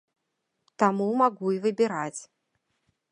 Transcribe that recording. Таму магу і выбіраць.